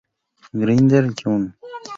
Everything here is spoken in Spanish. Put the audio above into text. Grinder, John.